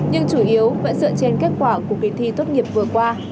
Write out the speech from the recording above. nhưng chủ yếu vẫn dựa trên kết quả của kỳ thi tốt nghiệp vừa qua